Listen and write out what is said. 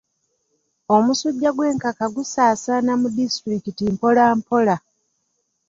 Omusujja gw'enkaka gusaasaana mu disitulikiti mpola mpola.